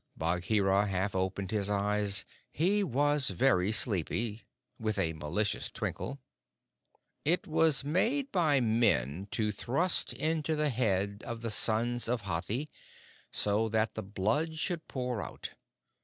Bagheera half opened his eyes he was very sleepy with a malicious twinkle. "It was made by men to thrust into the head of the sons of Hathi, so that the blood should pour out.